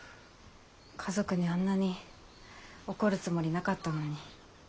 家族にあんなに怒るつもりなかったのに。